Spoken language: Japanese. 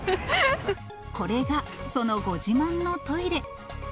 これがそのご自慢のトイレ。